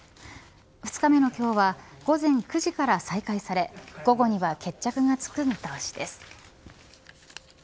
２日目の今日は午前９時から再開され午後には決着がつく見通しです。